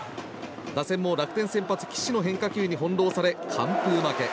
打線も楽天先発、岸の変化球に翻弄され完封負け。